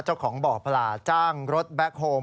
เจ้าของบ่อพลาจ้างรถแบ็คโฮม